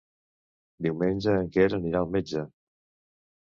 Diumenge en Quer anirà al metge.